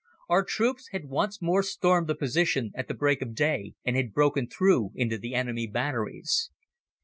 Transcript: Our troops had once more stormed the position at the break of day and had broken through into the enemy batteries.